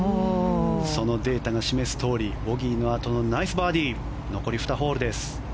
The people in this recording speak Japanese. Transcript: そのデータが示すとおりボギーのあとのナイスバーディー残り２ホールです。